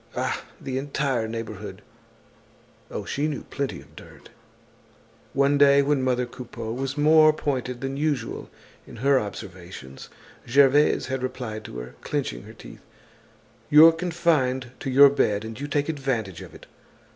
Ah, the entire neighborhood. Oh, she knew plenty of dirt. One day when mother Coupeau was more pointed than usual in her observations, Gervaise had replied to her, clinching her teeth: "You're confined to your bed and you take advantage of it.